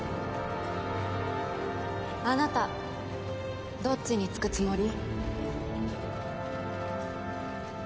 あなたどっちにつくつもり？